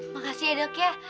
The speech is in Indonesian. makasih ya dok ya